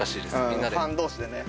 みんなでファン同士でね